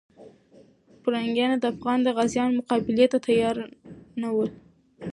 پرنګیانو د افغان غازیانو مقابلې ته تیار نه ول.